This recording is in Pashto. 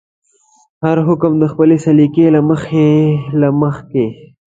هر حاکم د خپلې سلیقې له مخې.